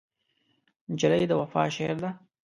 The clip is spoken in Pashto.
نجلۍ د وفا شعر ده.